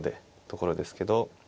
ところですけど。